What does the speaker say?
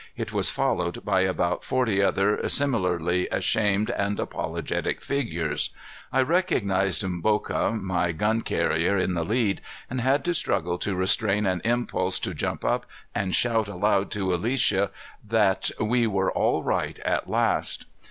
It was followed by about forty other similarly ashamed and apologetic figures. I recognized Mboka, my gun bearer in the lead and had to struggle to restrain an impulse to jump up and shout aloud to Alicia that we were all right at last.